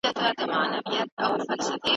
د سياست ماهيت د نورو علومو څخه توپير لري.